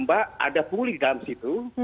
ada pungli di dalam situ